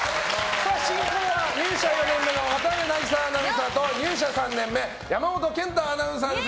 進行は、入社４年目の渡邊渚アナウンサーと入社３年目山本賢太アナウンサーです。